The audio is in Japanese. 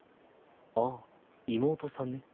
ああ妹さんね。